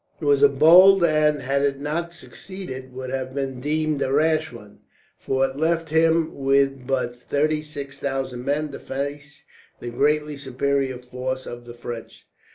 It was a bold move and, had it not succeeded, would have been deemed a rash one; for it left him with but thirty six thousand men to face the greatly superior force of the French.